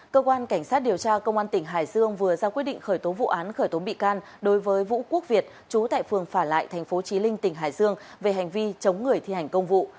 cơ quan cảnh sát điều tra công an tỉnh hải dương vừa ra quyết định khởi tố vụ án khởi tố bị can đối với vũ quốc việt trú tại phường phả lại tp trí linh tỉnh hải dương về hành vi chống người thi hành công vụ